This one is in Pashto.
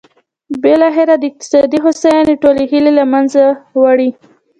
بالاخره د اقتصادي هوساینې ټولې هیلې له منځه وړي.